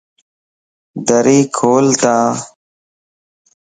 دري کول تا